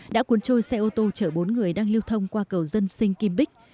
đã cuốn trôi xe ô tô chở bốn người đang lưu thông qua cầu dân sinh kim bích